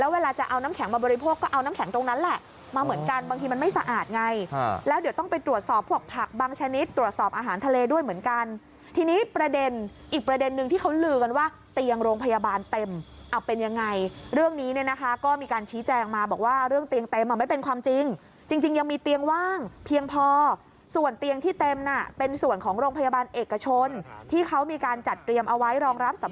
เวลาจะเอาน้ำแข็งมาบริโภคก็เอาน้ำแข็งตรงนั้นแหละมาเหมือนกันบางทีมันไม่สะอาดไงแล้วเดี๋ยวต้องไปตรวจสอบผวกผักบางชนิดตรวจสอบอาหารทะเลด้วยเหมือนกันทีนี้ประเด็นอีกประเด็นนึงที่เขาลือกันว่าเตียงโรงพยาบาลเต็มเป็นยังไงเรื่องนี้ก็มีการชี้แจงมาบอกว่าเรื่องเตียงเต็มไม่เป็นความจร